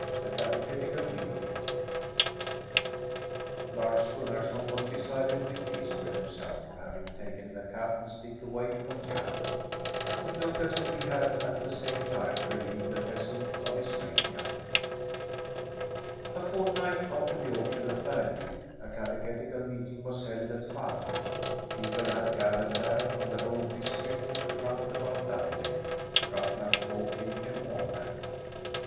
THE CATECHETICAL MEETING Lars Gunnarson was decidedly pleased with himself for having taken the cap and stick away from Jan; it looked as if he had at the same time relieved the peasant of his mania. A fortnight after the auction at Bergvik a catechetical meeting was held at Falla. People had gathered there from the whole district round about Dove Lake, the Ruffluck folk being among them.